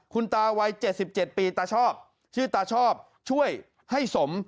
คุณตาวัยเจ็ดสิบเจ็ดปีตาชอบชื่อตาชอบช่วยให้สม